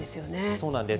そうなんです。